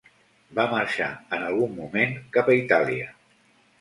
Va marxar en algun moment cap a Itàlia.